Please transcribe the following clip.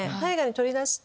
取り出して。